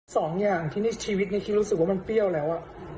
สองอย่างที่ในชีวิตคิดว่ามันเปรี้ยวแล้ว